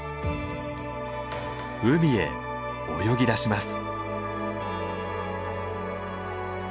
海へ泳ぎ出します。